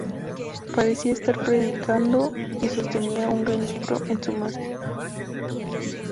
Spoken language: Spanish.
Parecía estar predicando y sostenía un gran libro en su mano izquierda.